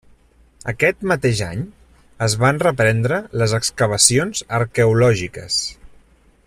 Aquest mateix any, es van reprendre les excavacions arqueològiques.